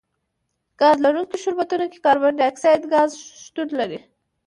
ګاز لرونکي شربتونو کې کاربن ډای اکسایډ ګاز شتون لري.